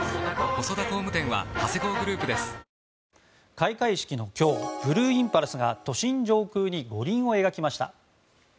開会式の今日ブルーインパルスが都心上空に五輪を描きました。